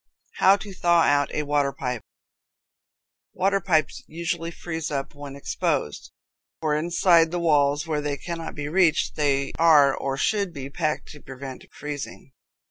How to Thaw Out a Water Pipe. Water pipes usually freeze up when exposed, for inside the walls, where they cannot be reached, they are or should be packed to prevent freezing.